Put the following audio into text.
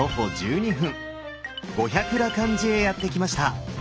五百羅漢寺へやって来ました。